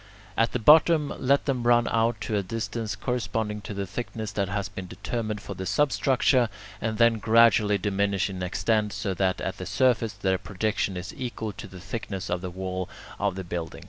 At the bottom let them run out to a distance corresponding to the thickness that has been determined for the substructure, and then gradually diminish in extent so that at the surface their projection is equal to the thickness of the wall of the building.